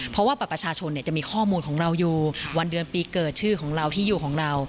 เพราะว่าบัตรประชาชนจะมีข้อมูลของเราอยู่วันเดือนปีเกิดชื่อของเราที่อยู่ของเรา